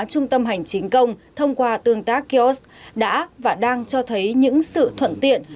trung tâm hành chính công thông qua tương tác kiosk đã và đang cho thấy những sự thuận tiện